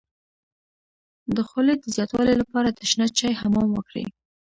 د خولې د زیاتوالي لپاره د شنه چای حمام وکړئ